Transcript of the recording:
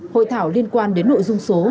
hội thảo liên quan đến nội dung số